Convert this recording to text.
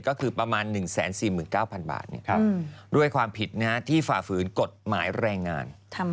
ก็คือประมาณ๑๔๙๐๐บาทด้วยความผิดที่ฝ่าฝืนกฎหมายแรงงาน